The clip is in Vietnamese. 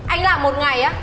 anh làm một ngày á